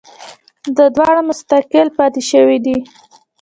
دا دواړه مستقل پاتې شوي دي